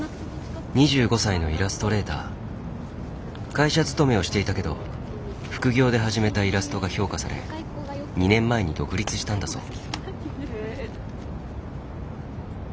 会社勤めをしていたけど副業で始めたイラストが評価され２年前に独立したんだそう。